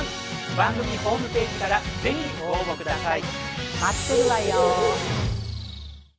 番組ホームページから是非ご応募下さい！